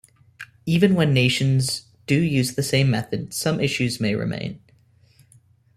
Even when nations do use the same method, some issues may remain.